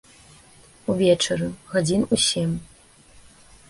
Увечары, гадзін у сем.